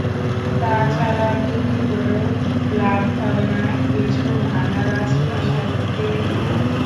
তা ছাড়া বিক্রি করেও লাভ হবে না কিছু ভাঙা রাজপ্রাসাদ কে কিনবে?